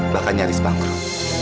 bahkan nyaris pangkrut